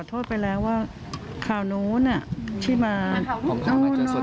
แม่ตอบฉันเลยว่าแม่ไม่รักทนายเดชาแล้วลองฟังดูนะคะ